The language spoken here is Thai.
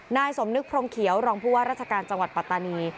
หน้ายสมนึกพรมเขียวรองพุพรรัชการจังหวัดปตนี